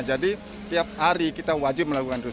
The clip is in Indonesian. jadi tiap hari kita wajib melakukan itu